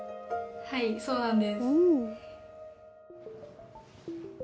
はいそうなんです。